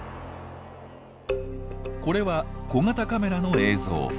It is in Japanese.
これは小型カメラの映像。